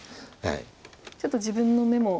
ちょっと自分の眼も。